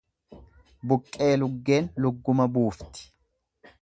Buqqee luggeen lugguma buufti.